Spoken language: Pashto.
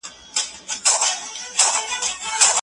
ولي حضوري ټولګي د سوال او ځواب فرصت برابروي؟